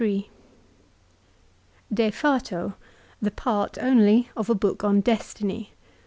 t De Fato The part only of a bouk on De.stiny.